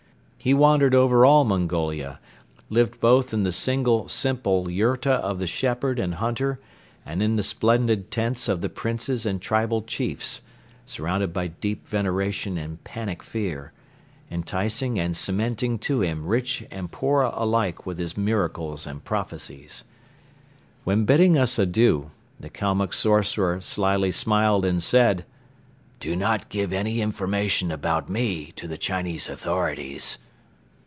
He wandered over all Mongolia, lived both in the single, simple yurta of the shepherd and hunter and in the splendid tents of the princes and tribal chiefs, surrounded by deep veneration and panic fear, enticing and cementing to him rich and poor alike with his miracles and prophecies. When bidding us adieu, the Kalmuck sorcerer slyly smiled and said: "Do not give any information about me to the Chinese authorities."